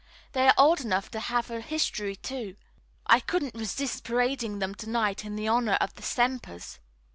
They are old enough to have a history, too. I couldn't resist parading them to night in honor of the Sempers."